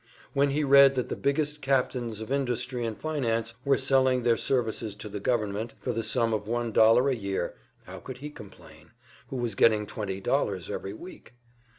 When he read that the biggest captains of industry and finance were selling their services to the government for the sum of one dollar a year, how could he complain, who was getting twenty dollars every week?